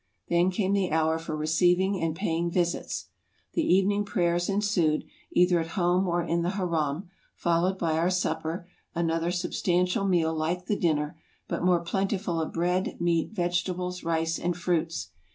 Then came the hour for receiving and paying visits. The evening prayers ensued, either at home or in the Haram, followed by our supper, an other substantial meal like the dinner, but more plentiful of bread, meat, vegetables, rice, and fruits.